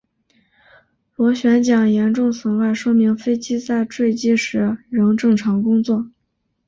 螺旋桨严重损坏说明飞机在坠机时仍正常工作。